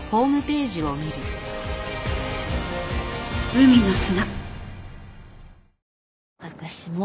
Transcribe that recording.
海の砂！